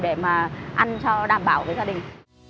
để mà ăn cho đảm bảo với gia đình